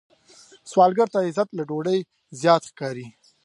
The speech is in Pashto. سوالګر ته عزت له ډوډۍ زیات ښکاري